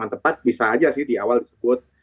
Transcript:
yang tepat bisa aja sih di awal disebut